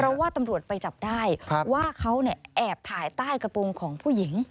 เพราะว่าตำรวจไปจับได้ว่าเขาแอบถ่ายใต้กระโปรงของผู้หญิง